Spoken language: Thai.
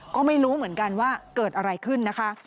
ก็ไม่รู้เหมือนกันว่าเกิดอะไรขึ้นนะคะ